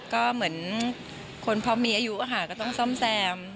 ก็เหมือนคนพอมีอายุก็ต้องซ่อมแซม